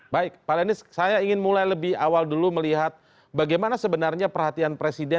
baik pak lenis saya ingin mulai lebih awal dulu melihat bagaimana sebenarnya perhatian presiden